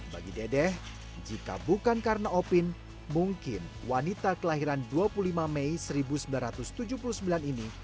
bagi dedeh jika bukan karena opin mungkin wanita kelahiran dua puluh lima mei seribu sembilan ratus tujuh puluh sembilan ini